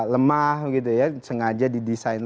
lemah gitu ya sengaja didesain